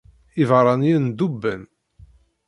Iberraniyen duben.